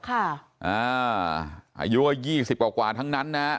อายุก็๒๐กว่าทั้งนั้นนะฮะ